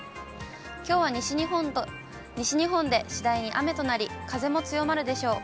きょうは西日本で次第に雨となり、風も強まるでしょう。